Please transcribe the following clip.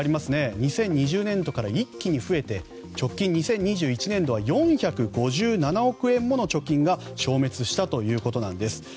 ２０２０年度から一気に増えて直近２０２１年度は４５７億円もの貯金が消滅したということなんです。